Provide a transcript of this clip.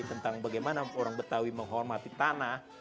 tentang bagaimana orang betawi menghormati tanah